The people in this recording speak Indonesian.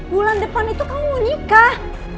bulan depan itu kamu nikah